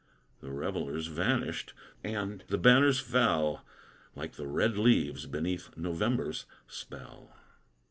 The revellers vanished, and the banners fell Like the red leaves beneath November's spell.